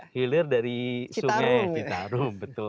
hilir dari sungai citarum